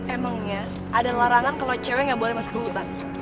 emang ya ada larangan kalo cewek ga boleh masuk ke hutan